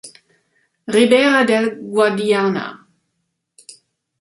Ribera del Guadiana.